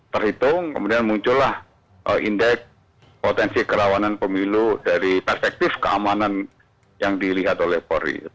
terhitung kemudian muncullah indeks potensi kerawanan pemilu dari perspektif keamanan yang dilihat oleh polri